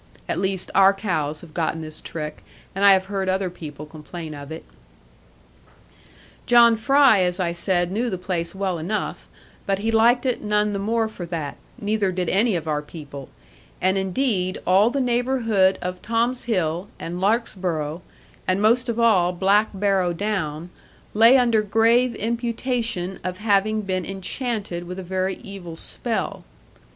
At least, our cows have gotten this trick, and I have heard other people complain of it. John Fry, as I said, knew the place well enough, but he liked it none the more for that, neither did any of our people; and, indeed, all the neighbourhood of Thomshill and Larksborough, and most of all Black Barrow Down lay under grave imputation of having been enchanted with a very evil spell.